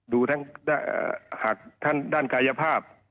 ดูทั้งทางด้านกายภาพ